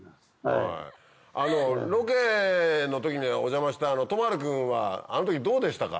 ロケの時にお邪魔した都丸君はあん時どうでしたか？